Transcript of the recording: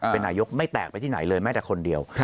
เป็นนายกไม่แตกไปที่ไหนเลยแม้แต่คนเดียว